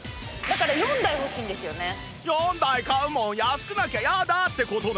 ４台買うもん安くなきゃやだ！って事ね